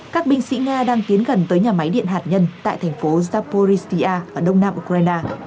các binh sĩ nga đang tiến gần tới nhà máy điện hạt nhân tại thành phố zaporistia ở đông nam ukraine